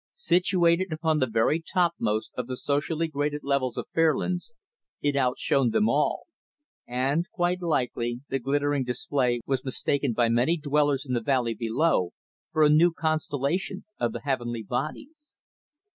Situated upon the very topmost of the socially graded levels of Fairlands, it outshone them all; and, quite likely, the glittering display was mistaken by many dwellers in the valley below for a new constellation of the heavenly bodies.